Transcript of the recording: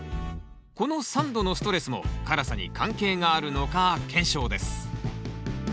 この酸度のストレスも辛さに関係があるのか検証です